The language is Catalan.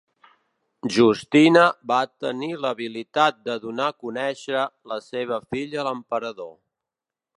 Justina va tenir l'habilitat de donar a conèixer la seva filla a l'emperador.